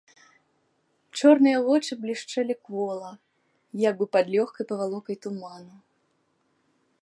Чорныя вочы блішчэлі квола, як бы пад лёгкай павалокай туману.